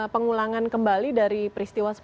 pengulangan kembali dari peristiwa